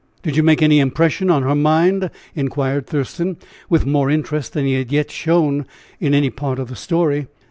"Did you make any impression on her mind?" inquired Thurston, with more interest than he had yet shown m any part of the story.